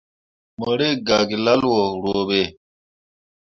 Mo rǝkʼgah ke lalle yo ruuɓe.